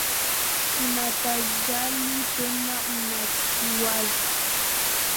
Unatujali tena unatuwaza.